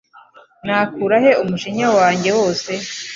Nakura he umujinya wanjye wose?